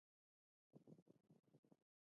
د بایومتریک سیستم ګټه څه ده؟